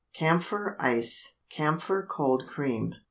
CAMPHOR ICE (CAMPHOR COLD CREAM).